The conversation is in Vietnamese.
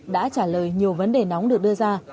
đã trả lời nhiều vấn đề nóng được đưa ra